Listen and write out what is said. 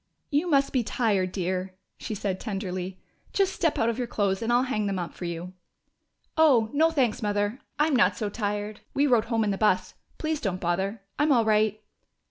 "You must be tired, dear," she said tenderly. "Just step out of your clothes, and I'll hang them up for you." "Oh, no, thanks, Mother. I'm not so tired. We rode home in the bus.... Please don't bother. I'm all right."